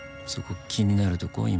そこ気になるとこ？